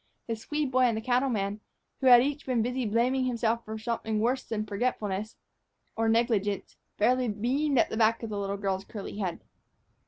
The Swede boy and the cattleman, who had each been busy blaming himself for something worse than forgetfulness or negligence, fairly beamed at the back of the little girl's curly head.